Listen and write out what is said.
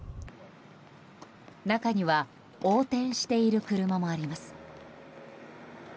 中には横転している車もあります。